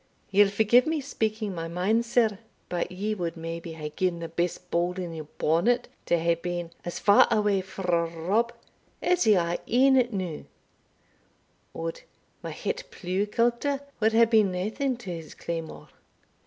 "Ye'll forgie me speaking my mind, sir; but ye wad maybe hae gien the best bowl in your bonnet to hae been as far awae frae Rob as ye are e'en now Od! my het pleugh culter wad hae been naething to his claymore."